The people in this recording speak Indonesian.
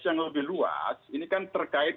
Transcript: yang lebih luas ini kan terkait